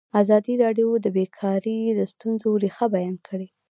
ازادي راډیو د بیکاري د ستونزو رېښه بیان کړې.